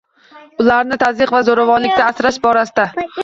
Ularni tazyiq va zo'ravonlikdan asrash borasida